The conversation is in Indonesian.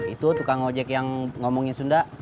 itu tukang ojek yang ngomongin sunda